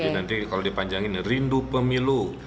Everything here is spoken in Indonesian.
nanti kalau dipanjangin rindu pemilu